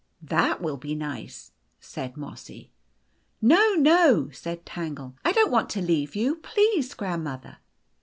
" That will be nice," said Mossy. "No, no!" said Tangle. "I don't want to leave O you, please, grandmother."